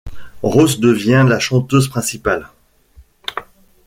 Rose devient la chanteuse principale.